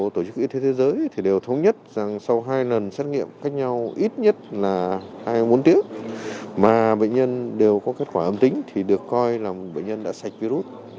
tổ chức y tế thế giới thì đều thống nhất rằng sau hai lần xét nghiệm cách nhau ít nhất là hai bốn tiếng mà bệnh nhân đều có kết quả âm tính thì được coi là bệnh nhân đã sạch virus